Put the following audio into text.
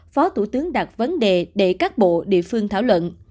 phó thủ tướng đặt vấn đề để các bộ địa phương thảo luận